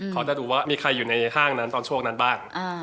เราอยากดูว่ามีใครอยู่ในห้างตอนช่วงนั้นบ้าง